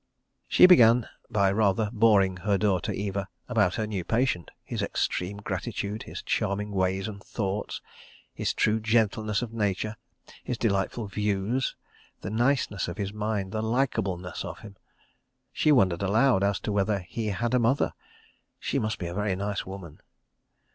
She began by rather boring her daughter, Eva, about her new patient—his extreme gratitude, his charming ways and thoughts, his true gentleness of nature, his delightful views, the niceness of his mind, the likeableness of him. ... She wondered aloud as to whether he had a mother—she must be a very nice woman.